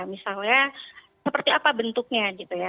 misalnya seperti apa bentuknya gitu ya